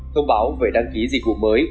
thông báo về đăng ký dịch vụ mới